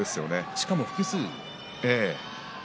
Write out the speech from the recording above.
しかも複数。